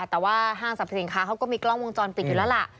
แต่ว่าห้างสรรพสินค้าเขาก็มีกล้องวงจรปิดอยู่แล้วล่ะ